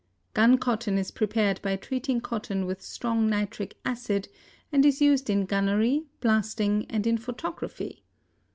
Gun cotton is prepared by treating cotton with strong nitric acid and is used in gunnery, blasting and in photography.